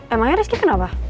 emangnya rizky kenapa